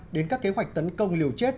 đến các kế hoạch tấn công liều chết